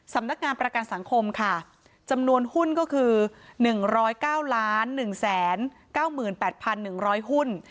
สำนักงานประกันสังคมค่ะจำนวนหุ้นก็คือหนึ่งร้อยเก้าล้านหนึ่งแสนเก้าหมื่นแปดพันหนึ่งร้อยหุ้น